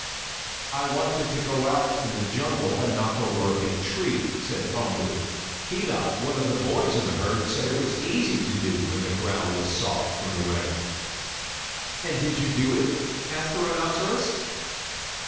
"I wanted to go out in the jungle and knock over a big tree," said Umboo. "Keedah, one of the boys in the herd, said it was easy to do when the ground was soft from the rain." "And did you do it?" asked the rhinoceros.